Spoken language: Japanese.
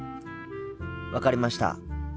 分かりました。